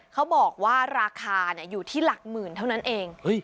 เขาบอกว่าราคาอยู่ที่หลักหมื่นเท่านั้นเอง